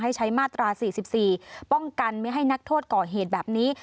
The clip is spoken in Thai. ใช้มาตรา๔๔ป้องกันไม่ให้นักโทษก่อเหตุแบบนี้